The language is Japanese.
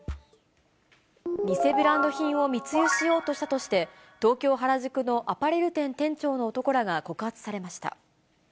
偽ブランド品を密輸しようとしたとして、東京・原宿のアパレル店店長の男らが告発されました。